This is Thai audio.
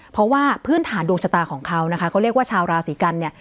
เพราะว่าพื้นฐานดวงชะตาของเขานะคะเขาเรียกว่าชาวราศีกันเนี่ย